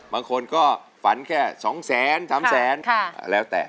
บางคนก็ฝันแค่๒๐๐๐๐๐๓๐๐๐๐๐แล้วแต่